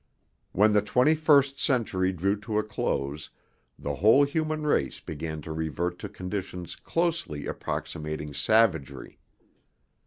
When the twenty first century drew to a close the whole human race began to revert to conditions closely approximating savagery.